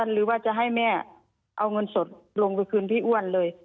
หรือว่าจะให้แม่เอาเงินสดลงไปคืนพี่อ้วนเลย